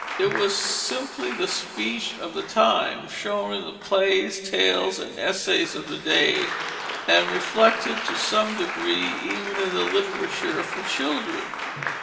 It was simply the speech of the times shown in the plays, tales, and essays of the day, and reflected to some degree even in the literature for children.